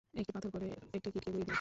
একটি পাথর পড়ে একটি কীটকে গুঁড়িয়ে দিল।